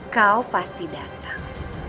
kau pasti datang